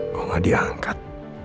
gua gak diangkat